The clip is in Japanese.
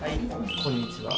こんにちは。